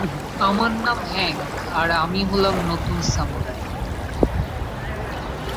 আমার নাম হ্যাংক, আর আমি হলাম নতুন সামুরাই।